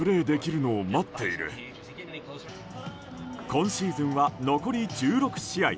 今シーズンは残り１６試合。